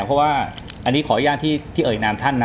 เพราะว่าอันนี้ขออนุญาตที่เอ่ยนามท่านนะ